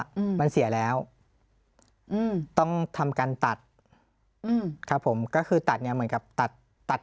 อืมมันเสียแล้วอืมต้องทำการตัดอืมครับผมก็คือตัดเนี้ยเหมือนกับตัดตัด